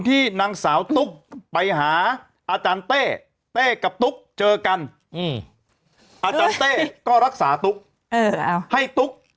ที่นางสาวตุ๊กไปหาอาจารย์เต้เต้กับตุ๊กเจอกันอาจารย์เต้ก็รักษาตุ๊กให้ตุ๊ก